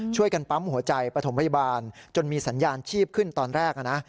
ช่วยกันปั๊มหัวใจปฐมพยาบาลจนมีสัญญาณชีพขึ้นตอนแรกนะ